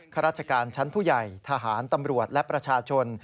ข้าราชการชั้นผู้ใหญ่ทหารตำรวจและประชาชน